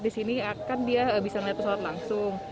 disini kan dia bisa melihat pesawat langsung